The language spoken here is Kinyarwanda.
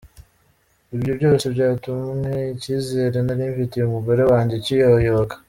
Ibyo byose byatumwe ikizere narimfitiye umugore wanjye kiyoyoka.